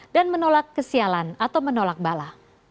dan menolak kesialan atau menolak bala